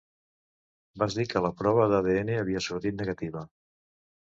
Vas dir que la prova d'ADN havia sortit negativa.